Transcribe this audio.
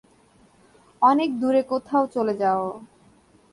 অনেক দূরে কোথাও চলে যাও।